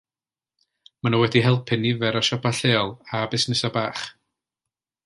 Maen nhw wedi helpu nifer o siopau lleol a busnesau bach